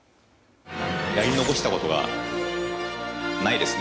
やり残したことがないですね。